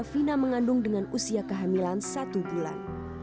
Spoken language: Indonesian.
vina mengandung dengan usia kehamilan satu bulan